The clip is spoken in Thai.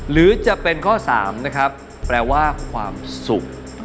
หรือจะเป็นข้อ๓นะครับแปลว่าความสุข